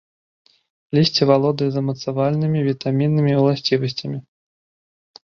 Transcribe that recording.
Лісце валодае замацавальнымі, вітаміннымі ўласцівасцямі.